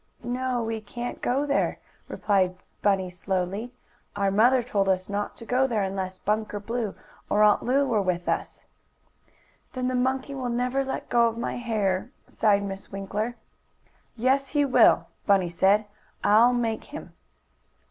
"No, we can't go there," replied Bunny slowly. "Our mother told us not to go there unless Bunker Blue or Aunt Lu was with us." "Then the monkey will never let go of my hair," sighed Miss Winkler. "Yes, he will," Bunny said. "I'll make him."